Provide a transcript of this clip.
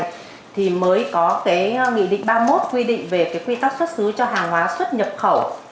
có nghị định ba mươi một quy định về quy tắc xuất xứ cho hàng hóa xuất nhập khẩu